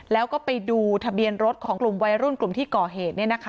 แล้วก็ไปดูทะเบียนรถของกลุ่มวัยรุ่นกลุ่มที่ก่อเหตุ